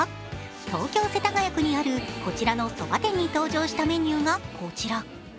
東京・世田谷区にあるこちらのそば店に登場したメニューがこちら。